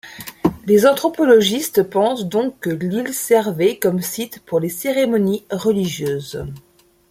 Les anthropologistes pensent donc que l'île servait comme site pour les cérémonies religieuses.